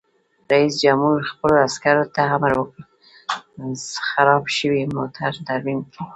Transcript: رئیس جمهور خپلو عسکرو ته امر وکړ؛ خراب شوي موټر ترمیم کړئ!